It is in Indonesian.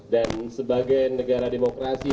dan sebagai negara demokrasi